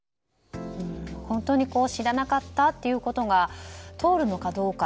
本当に知らなかったということが通るのかどうか。